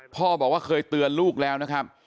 พ่อบอกว่าเคยเตือนลูกแล้วนะครับ